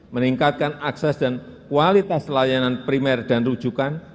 meningkatkan akses dan kualitas layanan primer dan rujukan